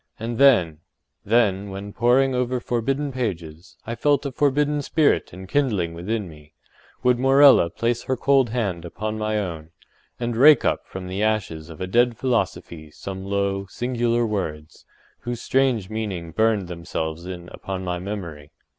And then—then, when, poring over forbidden pages, I felt a forbidden spirit enkindling within me—would Morella place her cold hand upon my own, and rake up from the ashes of a dead philosophy some low, singular words, whose strange meaning burned themselves in upon my memory.